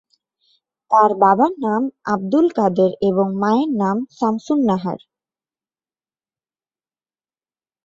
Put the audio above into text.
তার বাবার নাম আবদুল কাদের এবং মায়ের নাম শামসুন নাহার।